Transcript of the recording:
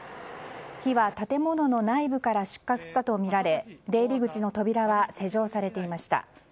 火は建物の内部から出火したとみられ出入り口の扉は施錠されていました。